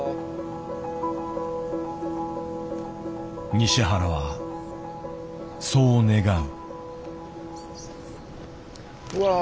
西原はそう願う。